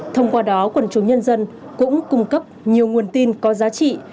thông qua đó quần chúng nhân dân cũng cung cấp nhiều nguồn tin có giá trị